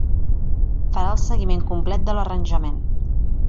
Farà el seguiment complet de l'arranjament.